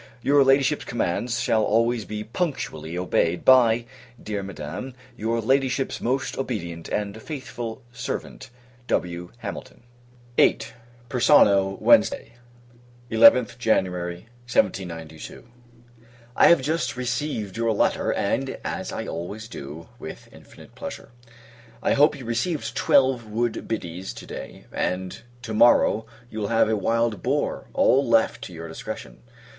Your Ladyship's commands shall always be punctually obeyed by, dear Madam, your Ladyship's most obedient and faithful servant, W. HAMILTON. VIII. Persano, Wednesday, 11th Jan. [1792.] I have just received your letter and, as I always do with infinite pleasure. I hope you received twelve wood biddies, to day; and, to morrow, you will have a wild boar: all left to your discretion.